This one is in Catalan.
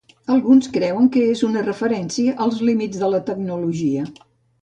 Alguns creuen que és una referència als límits de la tecnologia.